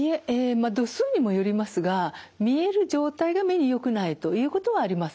まあ度数にもよりますが見える状態が目によくないということはありません。